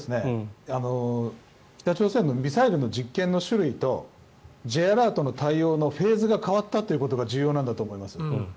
北朝鮮のミサイルの実験の種類とＪアラートの対応のフェーズが変わったということが重要なんだと思います。